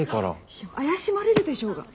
いや怪しまれるでしょうが。